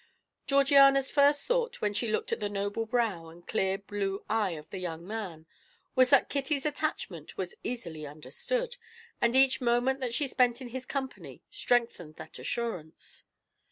Georgiana's first thought, when she looked at the noble brow and clear blue eye of the young man, was that Kitty's attachment was easily understood, and each moment that she spent in his company strengthened that assurance.